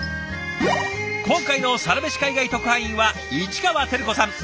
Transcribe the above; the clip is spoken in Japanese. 今回のサラメシ海外特派員は市川照子さん。